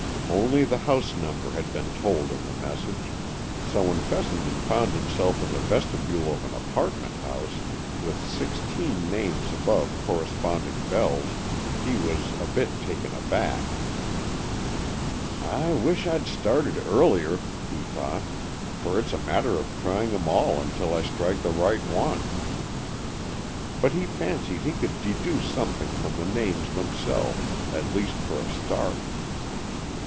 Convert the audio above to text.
Only the house number had been told in the message, so when Fessenden found himself in the vestibule of an apartment house, with sixteen names above corresponding bells, he was a bit taken aback. "I wish I'd started earlier," he thought, "for it's a matter of trying them all until I strike the right one." But he fancied he could deduce something from the names themselves, at least, for a start.